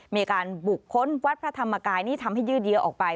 มีการบุกค้นวัดพระธรรมกายนี่ทำให้ยืดเยอะออกไป